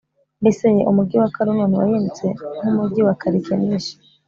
Mbese ye, umugi wa Kaluno ntiwahindutse nk’umugi wa Karikemishi,